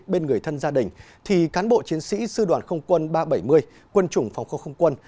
bên người thân gia đình thì cán bộ chiến sĩ sư đoàn không quân ba trăm bảy mươi quân chủng phòng không không quân